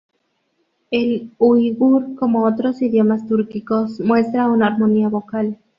El uigur, como otros idiomas túrquicos, muestra una armonía vocal.